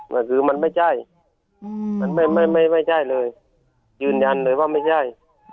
ก็คือมันไม่ใช่มันไม่ไม่ใช่เลยยืนยันเลยว่าไม่ใช่